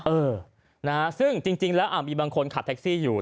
เออนะฮะซึ่งจริงแล้วมีบางคนขับแท็กซี่อยู่